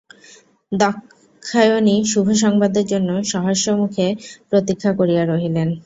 দাক্ষায়ণী শুভ সংবাদের জন্য সহাস্যমুখে প্রতীক্ষা করিয়া রহিলেন।